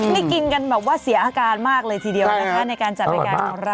นี่กินกันแบบว่าเสียอาการมากเลยทีเดียวนะคะในการจัดรายการของเรา